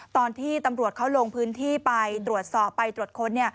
ตอนที่ตำรวจเขาลงพื้นที่ไปตรวจสอบไปตรวจค้น